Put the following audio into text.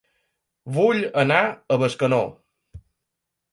Vull anar a Bescanó